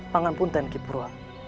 pangan pun niki purwa